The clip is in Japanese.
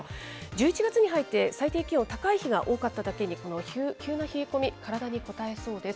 １１月に入って、最低気温、高い日が多かっただけに、この急な冷え込み、体にこたえそうです。